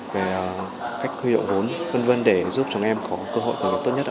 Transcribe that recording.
về cách huy động vốn v v để giúp cho các em có cơ hội khởi nghiệp tốt nhất